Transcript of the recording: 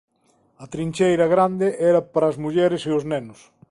A trincheira grande era para as mulleres e os nenos.